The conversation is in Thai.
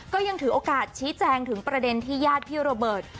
ก็ยังถือโอกาสชี้แจงถึงประเด็นที่ญาติพี่โรเบิร์ต